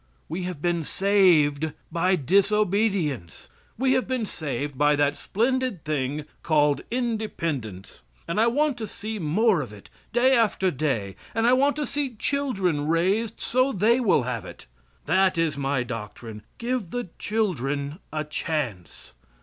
We have been saved by disobedience. We have been saved by that splendid thing called independence, and I want to see more of it, day after day, and I want to see children raised so they will have it. That is my doctrine. Give the children a chance.